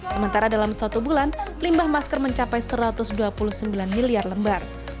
sementara dalam satu bulan limbah masker mencapai satu ratus dua puluh sembilan miliar lembar